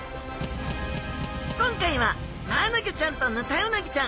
今回はマアナゴちゃんとヌタウナギちゃん！